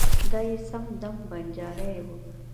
دای یې سم دم بنجارۍ و.